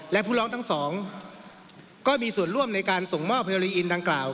และผู้ร้องทั้งสองก็มีส่วนร่วมในการส่งมอบเฮโลลีอินดังกล่าว